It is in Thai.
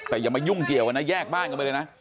แต่อย่ามายุ่งเกี่ยวกันนะแยกบ้านกันไปเลยนะ